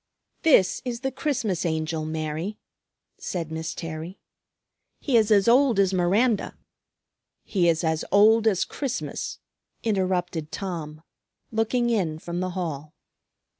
"This is the Christmas Angel, Mary," said Miss Terry. "He is as old as Miranda " "He is as old as Christmas," interrupted Tom, looking in from the hall.